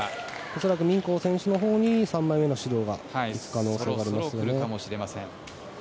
恐らくミンコウ選手のほうに３枚目の指導が行く可能性がありますね。